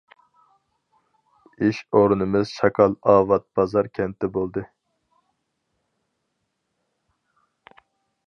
ئىش ئورنىمىز شاكال ئاۋات بازار-كەنتى بولدى.